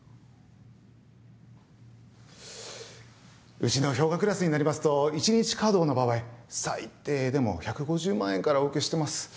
うちの氷河クラスになりますと１日稼働の場合最低でも１５０万円からお受けしてます。